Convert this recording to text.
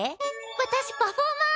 私パフォーマー。